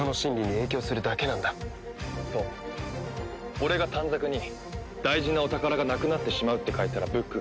俺が短冊に「大事なお宝がなくなってしまう」って書いたらブックが消えた。